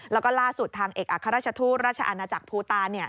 แล้วก็ล่าสุดทางเอกอัครราชทูตราชอาณาจักรภูตา